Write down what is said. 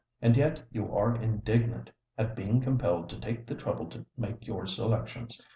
And yet you are indignant at being compelled to take the trouble to make your selections!